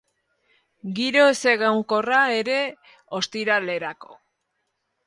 Giro ezegonkorra ere ostiralerako.